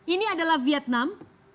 ini adalah vietnam